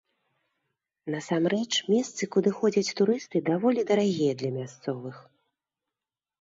Насамрэч, месцы, куды ходзяць турысты, даволі дарагія для мясцовых.